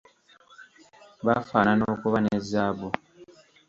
Bafaanana okuba ne zaabu.